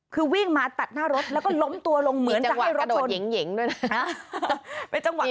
คือวิ่งมาตัดหน้ารถแล้วก็ล้มตัวลงเหมือนจะให้รถชน